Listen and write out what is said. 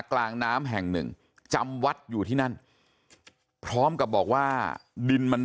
กลางน้ำแห่งหนึ่งจำวัดอยู่ที่นั่นพร้อมกับบอกว่าดินมัน